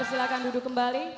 silakan duduk kembali